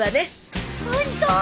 本当？